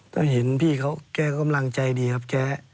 ก็เห็นพี่เขาแกกำลังใจดีครับแก